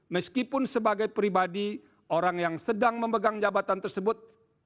meskipun sebagai pribadi orang yang sedang memegang jabatan tersebut